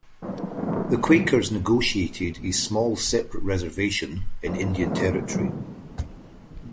The Quakers negotiated a small separate reservation in Indian Territory.